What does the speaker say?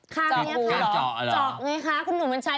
จอกหูจอกไงคะคุณหนุ่มกัญชัย